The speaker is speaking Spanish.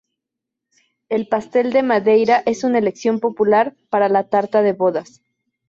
El pastel de Madeira es una elección popular para la tarta de bodas.